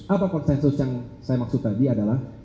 apa konsensus yang saya maksud tadi adalah